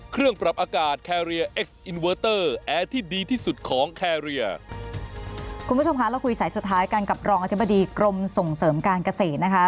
คุณผู้ชมคะเราคุยสายสุดท้ายกันกับรองอธิบดีกรมส่งเสริมการเกษตรนะคะ